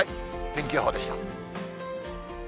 天気予報でした。